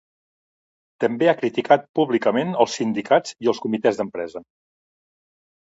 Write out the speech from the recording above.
També ha criticat públicament els Sindicats i els Comitès d'Empresa.